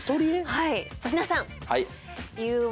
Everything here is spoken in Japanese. はい。